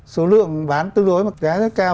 số lượng bán tương đối mà giá rất cao